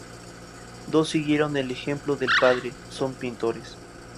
Dos siguieron el ejemplo del padre, son pintores.